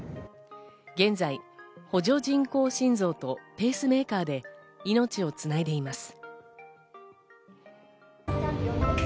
現在、補助人工心臓とペースメーカーで命をつないでいます。